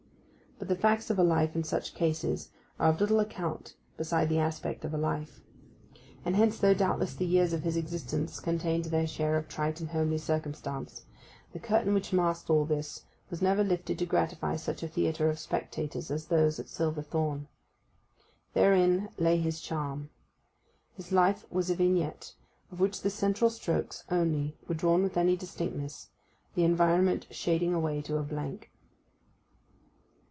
But the facts of a life in such cases are of little account beside the aspect of a life; and hence, though doubtless the years of his existence contained their share of trite and homely circumstance, the curtain which masked all this was never lifted to gratify such a theatre of spectators as those at Silverthorn. Therein lay his charm. His life was a vignette, of which the central strokes only were drawn with any distinctness, the environment shading away to a blank.